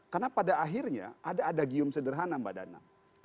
karena pada akhirnya ada ada gium sederhana mbak dana